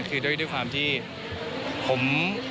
คือด้วยความที่ผม